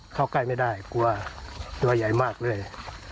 เข้าใกล้ไม่ได้กลัวตัวใหญ่มากเรื่อย